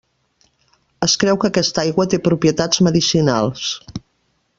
Es creu que aquesta aigua té propietats medicinals.